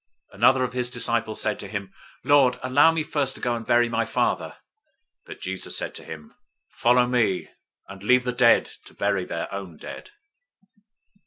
008:021 Another of his disciples said to him, "Lord, allow me first to go and bury my father." 008:022 But Jesus said to him, "Follow me, and leave the dead to bury their own dead."